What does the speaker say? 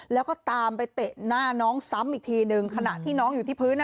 แล้วก็ตามไปเตะหน้าน้องซ้ำอีกทีหนึ่งขณะที่น้องอยู่ที่พื้น